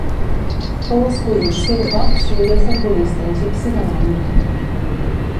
Fou escollit cinc cops millor futbolista egipci de l'any.